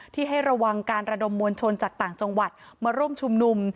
ให้ระวังการระดมมวลชนจากต่างจังหวัดมาร่วมชุมนุม